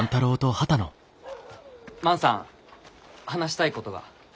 万さん話したいことが。